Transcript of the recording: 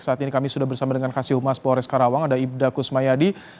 saat ini kami sudah bersama dengan kasih umas polres karawang ada ibda kusmayadi